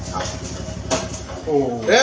โห